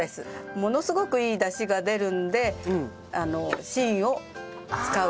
ものすごくいいダシが出るので芯を使う事で。